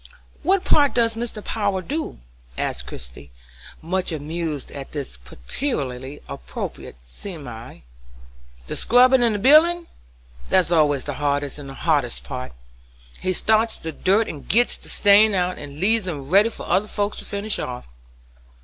"What part does Mr. Power do?" asked Christie, much amused at this peculiarly appropriate simile. "The scrubbin' and the bilin'; that's always the hardest and the hottest part. He starts the dirt and gits the stains out, and leaves 'em ready for other folks to finish off.